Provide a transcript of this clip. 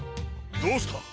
どうした！？